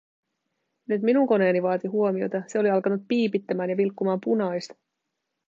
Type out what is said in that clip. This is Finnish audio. Nyt minun koneeni vaati huomiota, se oli alkanut piipittämään ja vilkkumaan punaista.